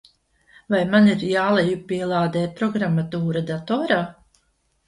Vai man ir jālejupielādē programmatūra datorā?